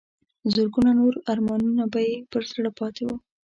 زرګونو نور ارمانونه به یې پر زړه پاتې وو.